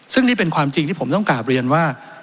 ซึ่งนี่เป็นความจริงที่ผมต้องกลับเรียนว่า